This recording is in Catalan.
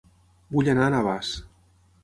Vull anar a Navàs